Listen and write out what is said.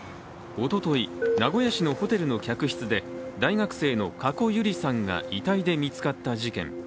おととい、名古屋市のホテルの客室で大学生の加古結莉さんが遺体で見つかった事件。